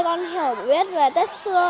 con hiểu biết về tết xưa